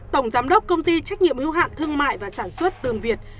tổng giám đốc công ty trách nhiệm hữu hạn thương mại và sản xuất tường việt